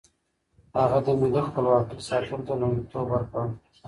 هغه د ملي خپلواکۍ ساتلو ته لومړیتوب ورکړ.